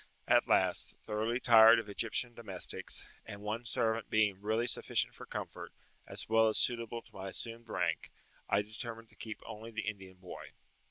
At last, thoroughly tired of Egyptian domestics, and one servant being really sufficient for comfort, as well as suitable to my assumed rank, I determined to keep only the Indian boy.